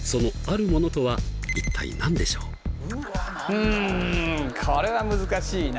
うんこれは難しいな。